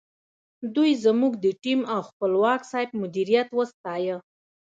دوی زموږ د ټیم او خپلواک صاحب مدیریت وستایه.